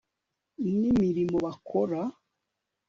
nimirimo bakora